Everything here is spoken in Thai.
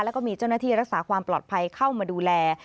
แล้วก็มีเจ้าหน้าที่รักษาความปลอดภัยเข้ามาดูแล